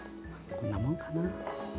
こんなもんかな。